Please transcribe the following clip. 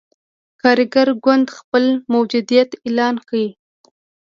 کارګر ګوند خپل موجودیت اعلان کړ.